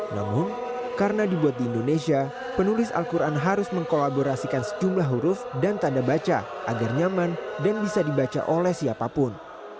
namun karena dibuat di indonesia penulis al quran harus mengkolaborasikan sejumlah huruf dan tanda baca agar nyaman dan bisa dibaca oleh siapapun